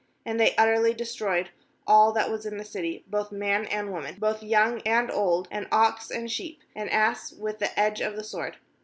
21And they utterly destroyed all that was in the city, both man and woman, both young and old, and ox, and sheep, and ass, with the edge of the sword.